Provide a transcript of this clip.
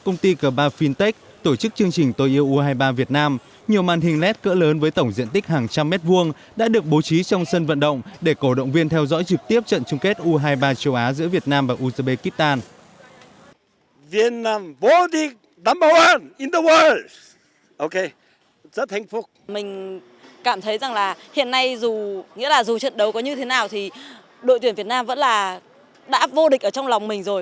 nghĩa là dù trận đấu có như thế nào thì đội tuyển việt nam vẫn là đã vô địch ở trong lòng mình rồi